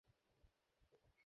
ও ঠিক এখানেই আছে।